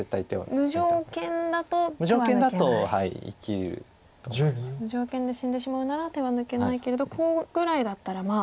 無条件で死んでしまうなら手は抜けないけれどコウぐらいだったらまあ